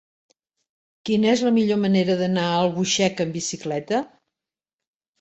Quina és la millor manera d'anar a Albuixec amb bicicleta?